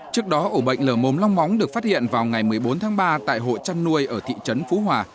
trước đó ổ bệnh lở mồm long móng được phát hiện vào ngày một mươi bốn tháng ba tại hộ chăn nuôi ở thị trấn phú hòa